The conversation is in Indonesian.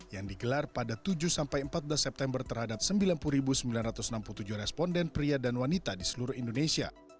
yang digelar pada tujuh empat belas september terhadap sembilan puluh sembilan ratus enam puluh tujuh responden pria dan wanita di seluruh indonesia